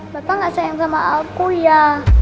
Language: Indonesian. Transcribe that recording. bapak gak sayang sama aku ya